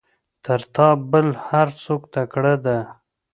تر تا بل هر څوک تکړه ده.